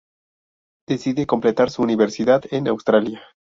Decide completar su universidad en Australia.